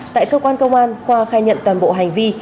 tại cơ quan công an khoa khai nhận toàn bộ hành vi